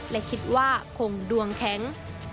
และคิดว่าคงดวงแข็ง